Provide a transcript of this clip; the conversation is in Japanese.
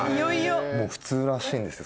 もう普通らしいんですよ